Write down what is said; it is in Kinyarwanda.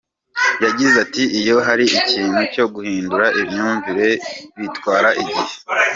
Yagize ati “Iyo hari ikintu cyo guhindura imyumvire bitwara igihe.